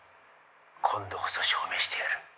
今度こそ証明してやる。